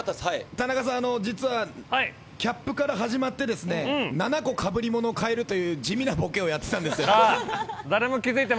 田中さん実はキャップから始まって７個被り物を変えるという地味なボケをやってたんですよ。